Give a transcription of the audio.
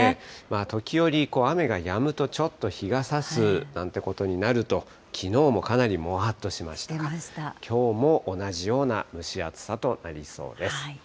時折雨がやむと、ちょっと日がさすなんてことになると、きのうもかなりもわっとしましたが、きょうも同じような蒸し暑さとなりそうです。